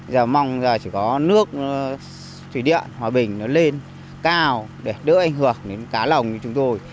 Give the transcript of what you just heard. giờ mong là chỉ có nước thủy điện hòa bình nó lên cao để đỡ ảnh hưởng đến cá lồng như chúng tôi